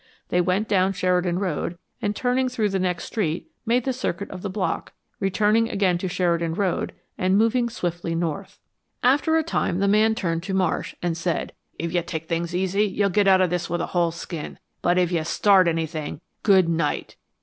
They went down Sheridan Road, and turning through the next street, made the circuit of the block, returning again to Sheridan Road and moving swiftly north. After a time the man turned to Marsh, and said, "If you take things easy you'll get out of this with a whole skin, but if you start anything GOOD night!"